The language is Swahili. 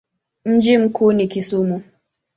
Mji mkuu ni Kisumu.